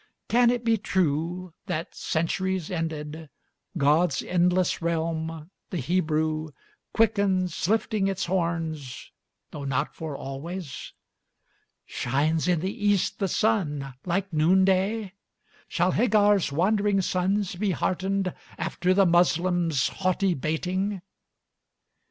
Can it be true that, centuries ended, God's endless realm, the Hebrew, quickens Lifting its horns though not for always? Shines in the East the sun, like noonday? Shall Hagar's wandering sons be heartened After the Moslem's haughty baiting?